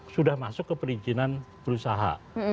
sudah masuk ke perizinan berusaha